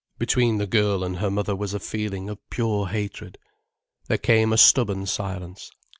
Between the girl and her mother was a feeling of pure hatred. There came a stubborn silence.